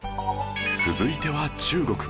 続いては中国